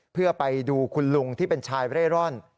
เพื่อไปดูคุณลุงที่เป็นชายเร่ร่อน